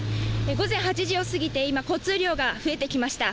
午前８時を過ぎて今、今、交通量が増えてきました。